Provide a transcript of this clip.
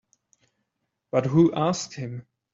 But who asked him?